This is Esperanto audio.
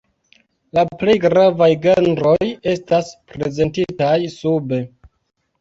La plej gravaj genroj estas prezentitaj sube.